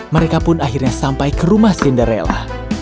mereka pun akhirnya sampai ke rumah cinderella